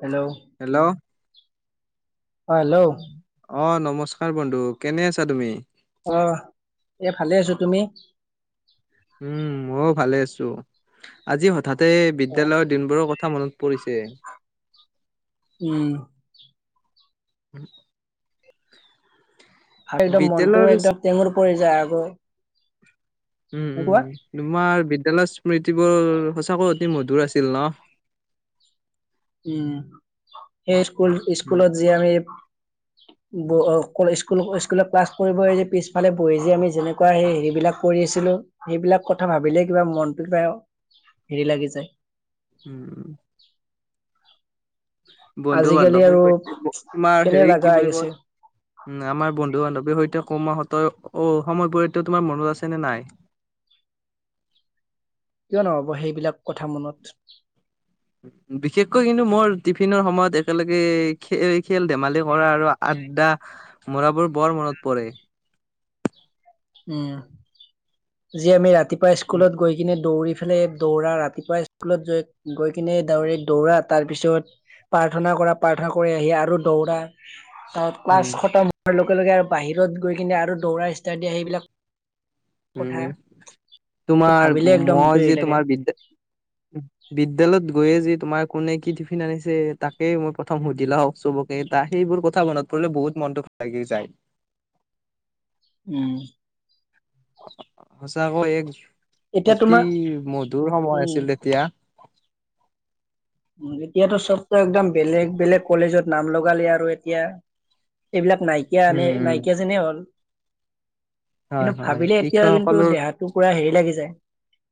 Hello, hello, hello অ, নমস্কাৰ বন্ধু কেনে আছা তুমি? অ, এই ভালে আছো তুমি? উম, ময়ও ভালে আছো, আজি হঠাতে অ বিদ্যালয়ত দিনবোৰৰ কথা মনত পৰিছে। উম, [unintelligible] আৰু একদম মনটোও, বিদ্যালয়ৰ একদম টেঙুৰ পৰি যায় আকৌ। উম, উম, এনেকুৱা উম, তোমাৰ বিদ্যালয়ৰ স্মৃতিবোৰ সঁচাকৈ অতি মধুৰ আছিল ন,? উম, সেই উম স্কুল-স্কুলত যি আমি স্কুল-স্কুলত ক্লাছ কৰিব, পিছফালে বহি যে আমি যেনেকুৱা সেই হেৰিবিলাক কৰি আছিলোঁ। সেইবিলাক কথা ভাবিলে, কিবা মনটো কিবা হেৰি লাগি যায়। উম,, আজিকালি বন্ধু-বান্ধবী আৰু তোমাৰ, কেনে হেৰি লগা কি হৈ বুলি গৈছে কয়। উম আমাৰ বন্ধু বান্ধৱীৰ সৈতে কমাহঁত অ সময়বোৰ এতিয়া তোমাৰ মনত আছে নে নাই কিয় নহব সেইবিলাক কথা মনত বিশেষকৈ কিন্তু মোৰ টিফিনৰ সময়ত একেলগে খেল ধেমালি কৰা আৰু আদ্ডা মৰাবোৰ বৰ মনত পৰে উম যি আমি ৰাতিপুৱা স্কুলত গৈ সিপিনে দৌৰি ফেলাই দৌৰা ৰাতিপুৱা স্কুলতৈ গৈ কিনে দাইৰেক্ট দৌৰি দৌৰা তাৰপিছত প্ৰাৰ্থনা কৰা প্ৰাৰ্থনা কৰি আহি আৰু দৌৰা তাত ক্লাছ উম খটম হোৱাৰ লগে লগে আৰু বাহিৰত গৈ কিনে আৰু দৌৰা ষ্টাত ডিয়া সেইবিলাক কথা উম তোমাৰ ভাবিলে একদম মই হেৰি যে লাগে তোমাৰ বিদ্যা বিদ্যয়ালয়ত গৈয়ে যে তোমাৰ কোনে কি টিফিন আনিছে তাকেই মই প্ৰথম সুধিলা হওক চবক কে তা সেইবোৰ কথা মনত পৰিলে বহুত মনটো লাগি যায় উম সঁচাকৈ এক এতিয়া অতি তোমাৰ মধুৰ সময় আছিল উম তেতিয়া এতিয়াতো চব ত একদম বেলেগ বেলেগ কলেজত নাম লগালে আৰু এতিয়া এইবিলাক নাইকিয়া আনে উম, নাইকিয়া যেনে হ'ল হয়, কিন্তু হয় ভাবিলে এতিয়াও কিন্তু শিক্ষকসকলৰ দেহাটো পুৰা হেৰি লাগি যায়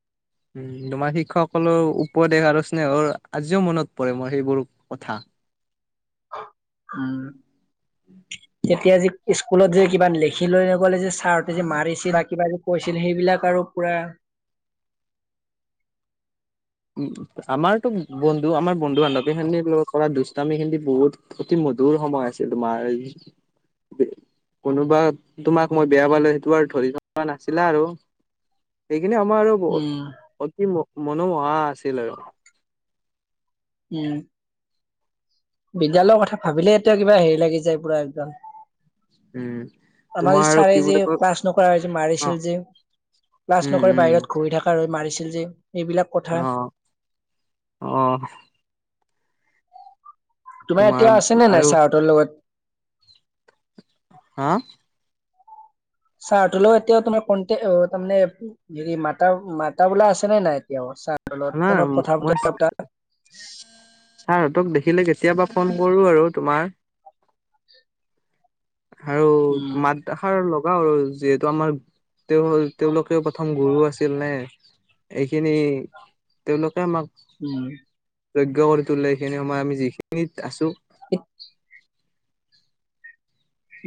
[inaudible] উম তোমাৰ শিক্ষকসকলৰ উপদেশ আৰু স্নেহৰ আজিও মনত পৰে মোৰ সেইবোৰ কথা উম উম তেতিয়া যে স্কুলত যে কিবা লিখি লৈ নগলে যে ছাৰহঁতে যে মাৰিছে বা কিবা যে কৈছিল সেইবিলাক আৰু পুৰা উম আমাৰতো বন্ধু আমাৰ বন্ধু বান্ধৱী খিনি কৰা দুষ্টামি খিনি বহুত অতি মধুৰ সময় আছিল তোমাৰ কোনোবা তোমাক মই বেয়া পালো সেইটো আৰু ধৰি থকা নাছিলা আৰু সেইখিনি সময় আৰু উম অতি মনোমোহা আছিল আৰু উম বিদ্যালয়ৰ কথা ভাবিলে এতিয়া কিবা হেৰি লাগি যায় পুৰা একদম উম আমাৰ তোমাৰ যে আৰু ছাৰে কি যে বুলি কয় ক্লাছ নকৰা যে অ মাৰিছিল যে ক্লাছ উম নকৰে উম বাহিৰত ঘূৰি থকা হৈ মাৰিছিল যে এইবিলাক কথা অ অ তোমাৰ এতিয়া আছেনে নাই চাহহঁতৰ লগত? হা? চাৰ হঁতৰ লগত এতিয়া তোমাৰ কন্টে অ', তাৰমানে হেৰি মাতা মাতা বোলা আছে নে নাই এতিয়া ছাৰহেতৰ লগত তোমাৰ ফোনত কথা মই বতৰা পতা? ছাৰহঁতক দেখিলে কেতিয়াবা ফোন কৰো আৰু তোমাৰ। আৰু উম মাত সাৰ লগাও আৰু যিহেতু আমাৰ তেওঁ তেওঁলোকেও প্ৰথম গুৰু আছিল নে। এইখিনি তেওঁলোকে আমাক উম যজ্ঞ কৰি তোলে সেইখিনি সময় আমি যিখিনিত আছো। [unintelligible]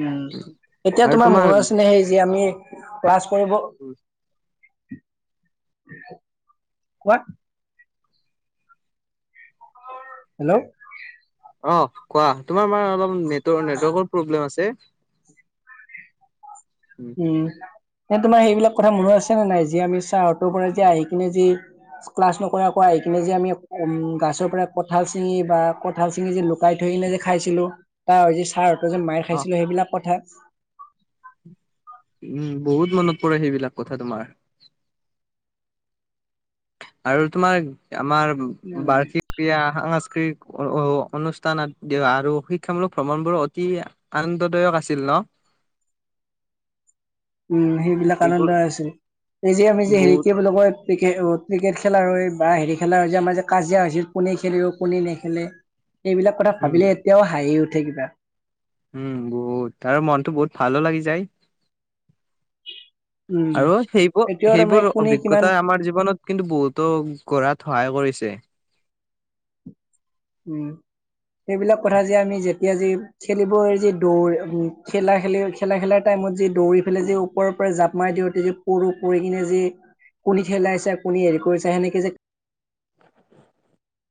উম, এতিয়া তোমাৰ মনৰ আচনে সেই যে আমি ক্লাছ কৰিব কোৱা। হেল্ল' অঁ! কোৱা? তোমাৰ মান অলপ নেটৰ নেটৱৰ্কৰ প্ৰব্লেম আছে। উম! এ তোমাৰ সেইবিলাক কথা মন আছে নে নাই যে আমি চাহঁতৰ পৰা যে আহি কিনে যে ক্লাছ নকৰা কৈ আহি কিনে যে আমি উম গাছৰ পৰা কঁঠাল চিঙি বা কঁঠাল চিঙি যে তাই থৈ কিনে যে খাইছিলো তাৰ যে ছাৰহঁতৰ যে মাৰ খাইছিলো সেইবিলাক কথা। উম! বহুত মনত পৰে সেইবিলাক কথা তোমাৰ। আৰু তোমাৰ আমাৰ উম। বাৰ্ষিক ক্ৰিয়া সাংস্ক [unintelligible] অনুষ্ঠান আৰু শিক্ষামূলক ভ্ৰমণবোৰ অতি আনন্দদায়ক আছিল ন। উম! সেইবিলাক এইবোৰ আনন্দ আছে এই যে আমি যে হেৰি বহুত কি বুলি কয় ক্ৰিকে ক্ৰিকেট খেলা হয় বা হেৰি খেলা হয় যে আমাৰ যে কাজিয়া হৈছিল কোনে খেলিব কোনে নেখেলে? সেইবিলাক কথা উম ভাবিলে এতিয়াও হাঁহি উঠে কিবা। উম! বহুত আৰু মনটো বহুত ভালো লাগি যায়। উম। আৰু এতিয়াও তাৰমানে সেইবোৰ-সেইবোৰ কোনে কিমান অভিজ্ঞতাই আমাৰ জীৱনত কিন্তু বহুতো গঢ়াত সহায় কৰিছে। উম! সেইবিলাক কথা যে আমি যেতিয়া যে খেলিব যি দৌৰি খেলা খেলি খেলা খেলাৰ টাইমত যি দৌৰি পেলাই যি ওপৰৰ পৰা জাপ মাৰি দিওঁ তেতিয়া পৰো পৰি কিনে যি কোনে ঠেলাইছে, কোনে হেৰি কৰিছে সেনেকে যে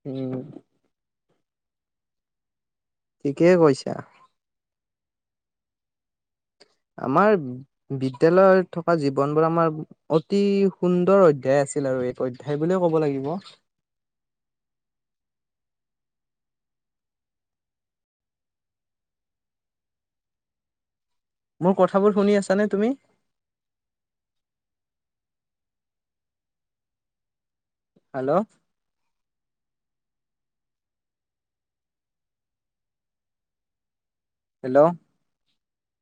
উম! ঠিকেই কৈছা। আমাৰ বিদ্যালয়ত থকা জীৱনবোৰ আমাৰ অতি সুন্দৰ অধ্যায় আছিল আৰু এক অধ্যায় বুলিয়েই ক'ব লাগিব। মোৰ কথাবোৰ শুনি আছা নে তুমি? হেল্ল'! হেল্ল'!